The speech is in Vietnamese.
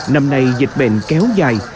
năm nay dịch bệnh kéo dài